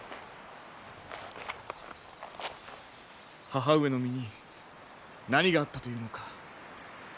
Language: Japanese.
母上の身に何があったというのか。